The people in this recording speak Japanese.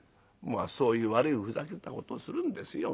「まあそういう悪いふざけたことするんですよ